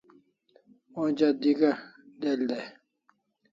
Onja d'ig'a' del dai